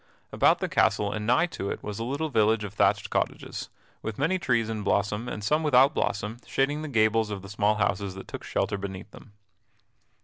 About the castle and nigh to it was a little village of thatched cottages, with many trees in blossom and some without blossom shading the gables of the small houses that took shelter beneath them.